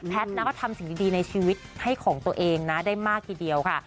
ก็ทำสิ่งดีในชีวิตให้ของตัวเองนะได้มากทีเดียวค่ะ